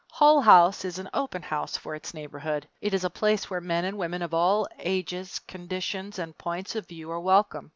Hull House is an "open house" for its neighborhood. It is a place where men and women of all ages, conditions, and points of view are welcome.